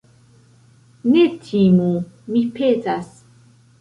Ne timu, mi petas.